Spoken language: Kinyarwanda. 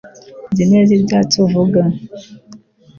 nzi neza ibyatsi uvuga